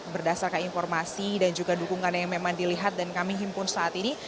berdasarkan informasi dan juga dukungan yang memang dilihat dan kami himpun saat ini